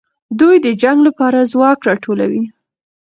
دوی د جنګ لپاره ځواک راټولوي.